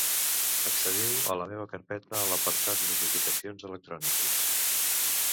Accediu a La meva carpeta a l'apartat Notificacions electròniques.